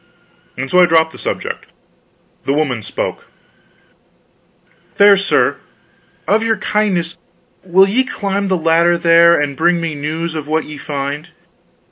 And so I dropped the subject. The woman spoke: "Fair sir, of your kindness will ye climb the ladder there, and bring me news of what ye find?